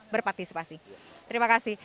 berpartisipasi terima kasih